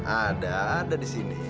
ada ada di sini